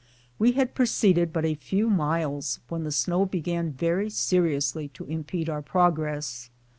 We had proceeded but a few miles when the snow began very seriously to impede our prog ress.